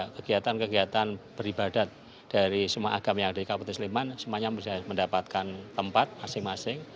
kegiatan kegiatan beribadat dari semua agama yang ada di kabupaten sleman semuanya bisa mendapatkan tempat masing masing